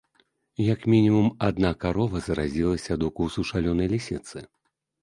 Як мінімум, адна карова заразілася ад укусу шалёнай лісіцы.